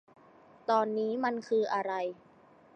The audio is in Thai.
ตอนนี้มันคืออะไร